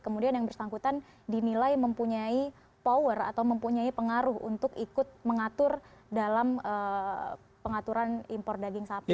kemudian yang bersangkutan dinilai mempunyai power atau mempunyai pengaruh untuk ikut mengatur dalam pengaturan impor daging sapi